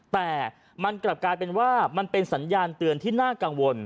แต่มันกลับกลายเป็นว่ามันเป็นสัญญาณเตือนที่น่ากังวล